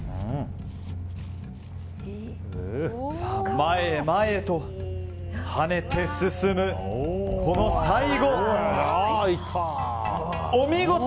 前へ前へと跳ねて進むこの最後、お見事！